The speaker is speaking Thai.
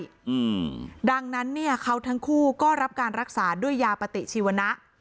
อืมดังนั้นเนี้ยเขาทั้งคู่ก็รับการรักษาด้วยยาปฏิชีวนะ